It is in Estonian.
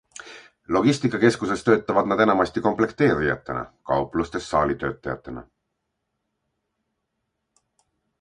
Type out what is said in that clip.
Logistikakeskuses töötavad nad enamasti komplekteerijatena, kauplustes saalitöötajatena.